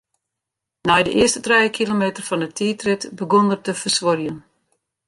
Nei de earste trije kilometer fan 'e tiidrit begûn er te fersuorjen.